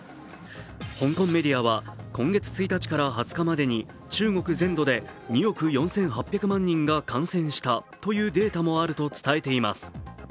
香港メディアでは今月１日から２０日までに中国全土で２億４８００万人が感染したというデータもあると伝えています。